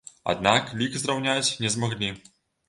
Аднак лік зраўняць не змаглі.